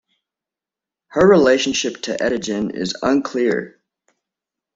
Her relationship to Etugen is unclear.